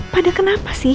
pada kenapa sih